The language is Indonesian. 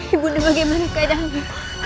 ibu nda bagaimana keadaanmu